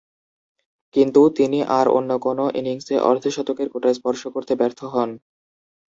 কিন্তু, তিনি আর অন্য কোন ইনিংসে অর্ধ-শতকের কোটা স্পর্শ করতে ব্যর্থ হন।